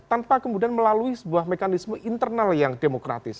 tanpa kemudian melalui sebuah mekanisme internal yang demokratis